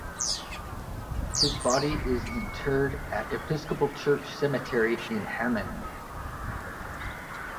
His body is interred at Episcopal Church Cemetery in Hammond.